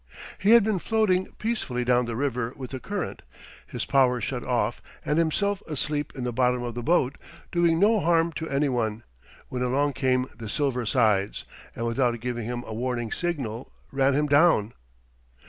He had been floating peacefully down the river with the current, his power shut off and himself asleep in the bottom of the boat, doing no harm to any one, when along came the Silver Sides, and without giving him a warning signal, ran him down.